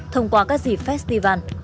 thông qua các dịp festival